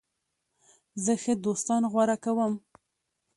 زه ښه دوستان غوره کوم.